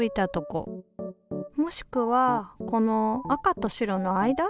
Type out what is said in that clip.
もしくはこの赤と白の間？